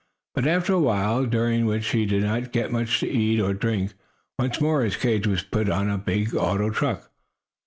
But, after a while, during which he did not get much to eat or drink, once more his cage was put on a big auto truck.